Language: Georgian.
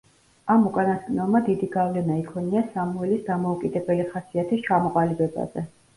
ამ უკანასკნელმა დიდი გავლენა იქონია სამუელის დამოუკიდებელი ხასიათის ჩამოყალიბებაზე.